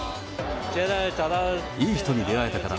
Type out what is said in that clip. いい人に出会えたから、